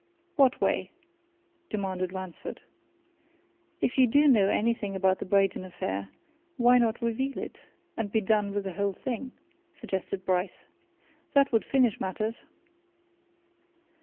"What way?" demanded Ransford. "If you do know anything about the Braden affair why not reveal it, and be done with the whole thing," suggested Bryce. "That would finish matters."